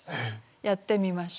やってみましょう。